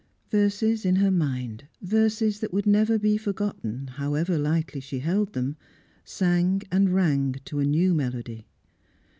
Verses in her mind, verses that would never be forgotten, however lightly she held them, sang and rang to a new melody.